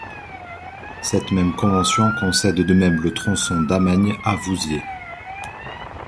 Cette même convention concède de même le tronçon d'Amagne à Vouziers.